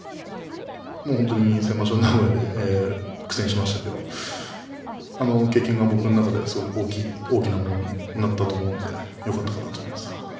先場所名古屋で苦戦しましたけれどあの経験が僕の中で大きなものになったと思うのでよかったかなと思います。